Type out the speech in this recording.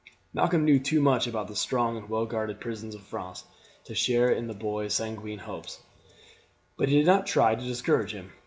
Malcolm knew too much about the strong and well guarded prisons of France to share in the boy's sanguine hopes, but he did not try to discourage him.